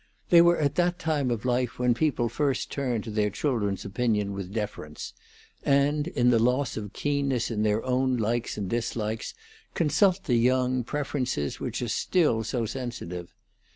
They were at that time of life when people first turn to their children's opinion with deference, and, in the loss of keenness in their own likes and dislikes, consult the young preferences which are still so sensitive.